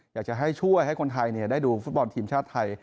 อยากจะให้ช่วยให้คนไทยได้ดูฟุตบอลทีมชาติไทย